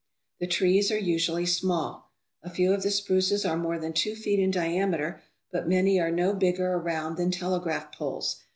The trees are usually small. A few of the spruces are more than two feet in diameter, but many are no bigger around than telegraph poles.